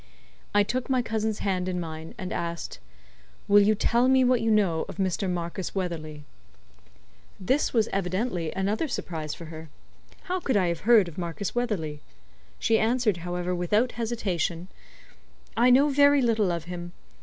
I took my cousin's hand in mine, and asked: "Will you tell me what you know of Mr. Marcus Weatherley?" This was evidently another surprise for her. How could I have heard of Marcus Weatherley? She answered, however, without hesitation: "I know very little of him.